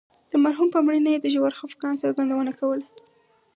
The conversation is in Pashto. د مرحوم په مړینه یې د ژور خفګان څرګندونه کوله.